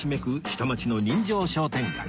下町の人情商店街